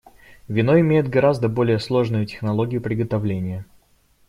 Вино имеет гораздо более сложную технологию приготовления.